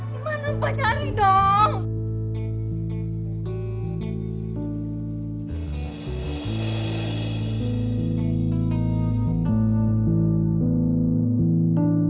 dimana bapak cari dong